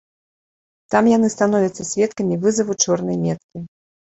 Там яны становяцца сведкамі вызаву чорнай меткі.